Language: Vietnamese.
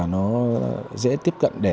nó dễ tiếp cận